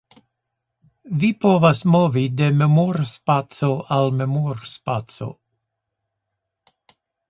Vi povas movi de memorspaco al memorspaco.